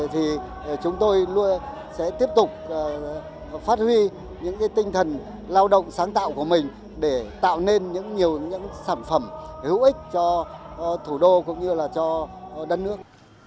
thì chúng tôi luôn sẽ tiếp tục phát huy những tinh thần lao động sáng tạo của mình để tạo nên những sản phẩm hữu ích cho thủ đô cũng như là cho đất nước